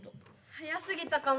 早すぎたかも。